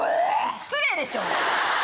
失礼でしょ！